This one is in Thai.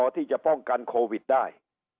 ที่จะป้องกันโควิดได้